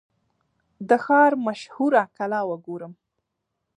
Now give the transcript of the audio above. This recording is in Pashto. د ښار مشهوره کلا وګورم.